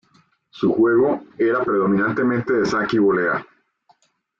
Su juego era predominantemente de saque y volea.